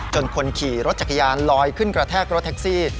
คนขี่รถจักรยานลอยขึ้นกระแทกรถแท็กซี่